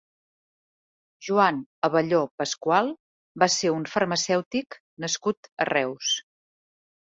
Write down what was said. Joan Abelló Pascual va ser un farmacèutic nascut a Reus.